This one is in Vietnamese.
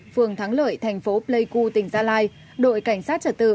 phường thắng lợi thành phố pleiku tỉnh gia lai đội cảnh sát trật tự